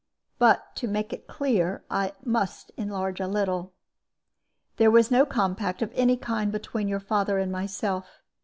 But to make it clear, I must enlarge a little. "There was no compact of any kind between your father and myself.